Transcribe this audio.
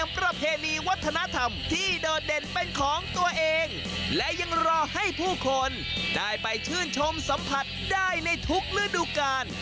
ยังรอให้ผู้คนได้ไปชื่นชมสัมผัสได้ในทุกศิลป์ดูกาล